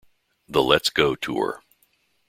The Let's Go Tour.